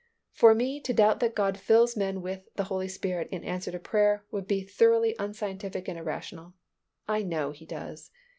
For me to doubt that God fills men with the Holy Spirit in answer to prayer would be thoroughly unscientific and irrational. I know He does.